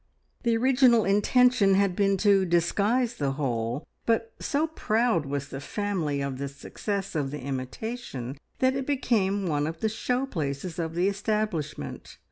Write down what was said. The original intention had been to disguise the hole, but so proud was the family of the success of the imitation, that it became one of the show places of the establishment.